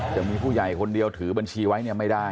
จะมีผู้ใหญ่คนเดียวถือบัญชีไว้เนี่ยไม่ได้